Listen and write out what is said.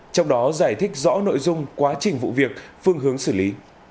trong đó giải thích rõ nội dung quá trình vụ việc phương hướng xử lý